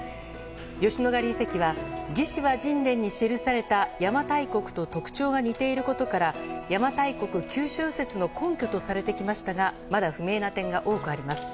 吉野ヶ里遺跡は「魏志倭人伝」に記された邪馬台国と特徴が似ていることから邪馬台国・九州説の根拠とされてきましたがまだ不明な点が多くあります。